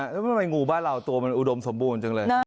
นั่นมันเป็นงูบ้านเราตัวมันอุดมสมบูรณ์จังเลย